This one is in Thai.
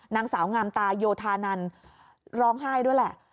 นางสาวงามตาโยธานันร้องไห้ด้วยแหละ